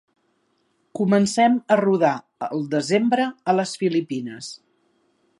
Comencem a rodar el desembre a les Filipines.